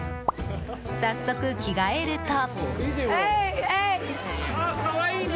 早速、着替えると。